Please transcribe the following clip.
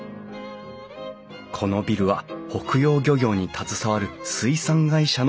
このビルは北洋漁業に携わる水産会社の社屋として建てられた。